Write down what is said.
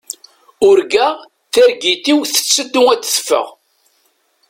Urgaɣ targit-iw tetteddu ad teffeɣ.